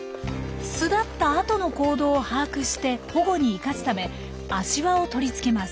巣立った後の行動を把握して保護に生かすため足環を取り付けます。